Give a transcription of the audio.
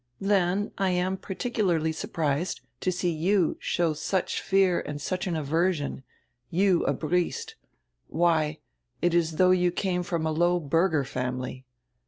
Then I am par ticularly surprised to see you show such fear and such an aversion, you a Briest Why, it is as though you came from a low burgher family.